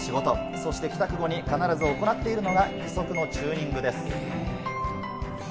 そして帰宅後に必ず行っているのが義足のチューニングです。